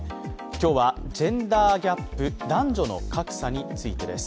今日はジェンダーギャップ男女の格差についてです。